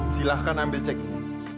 silahkan ambil cek ini